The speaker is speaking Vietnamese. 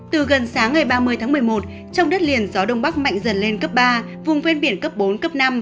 từ gần sáng ngày ba mươi tháng một mươi một trong đất liền gió đông bắc mạnh dần lên cấp ba vùng ven biển cấp bốn cấp năm